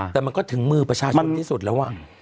แต่มันก็ถึงมือประชาชนที่สุดแล้ว